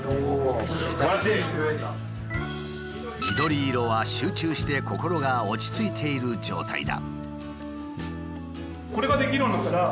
緑色は集中して心が落ち着いている状態だ。